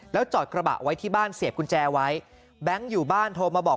แล้วจอดกระบะไว้ที่บ้านเสียบกุญแจไว้แบงค์อยู่บ้านโทรมาบอก